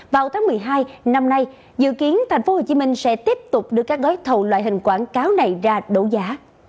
vào tháng một mươi hai năm nay dự kiến tp hcm sẽ tiếp tục đưa các gói thầu loại hình quảng cáo này ra đấu giá